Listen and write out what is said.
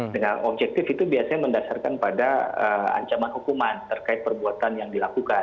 dengan objektif itu biasanya mendasarkan pada ancaman hukuman terkait perbuatan yang dilakukan